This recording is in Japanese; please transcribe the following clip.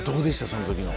その時の。